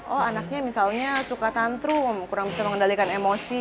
oh anaknya misalnya suka tantrum kurang bisa mengendalikan emosi